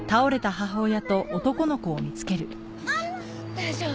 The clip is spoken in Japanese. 大丈夫。